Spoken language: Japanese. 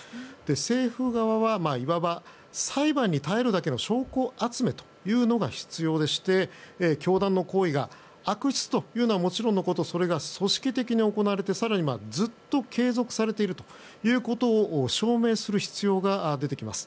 政府側は、いわば裁判に耐えるだけの証拠集めというのが必要でして教団の行為が悪質というのはもちろんのことそれが組織的に行われて更にずっと継続されていることを証明する必要が出てきます。